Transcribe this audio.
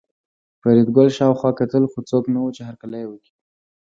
فریدګل شاوخوا کتل خو څوک نه وو چې هرکلی یې وکړي